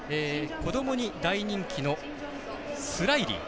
子どもに大人気のスラィリー。